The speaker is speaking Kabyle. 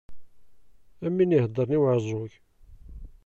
Am win i iheddren i uɛeẓẓug.